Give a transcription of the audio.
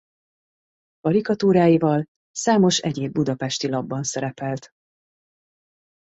Karikatúráival számos egyéb budapesti lapban szerepelt.